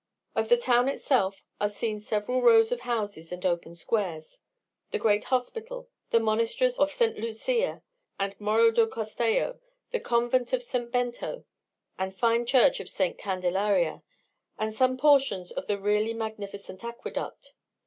Of the town itself are seen several rows of houses and open squares, the Great Hospital, the Monasteries of St. Luzia and Moro do Castello, the Convent of St. Bento, the fine Church of St. Candelaria, and some portions of the really magnificent aqueduct.